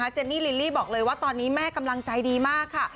เจนนี่ลิลลี่บอกเลยว่าตอนนี้แม่กำลังใจดีมากค่ะ